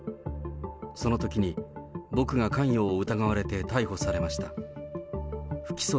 そのときに僕が関与を疑われて逮捕されました。